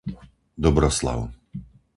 Dobroslav